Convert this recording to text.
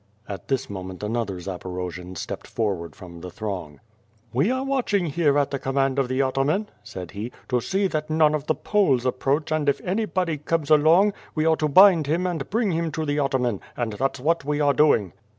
At this moment another Zaporojian stepped forward from the throng. ^^e are w^atching here at the command of the ataman," said he, "to see that none of the Poles approach and if any body comes along, we are to bind him and bring him to the ataman, and that's what we are doing."